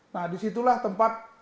nah disitulah tempat obat itu dikumpulkan